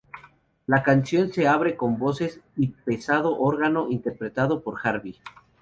La canción se abre con voces y un pesado órgano interpretado por Harvey.